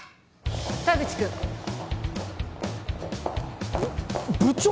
田口君部長！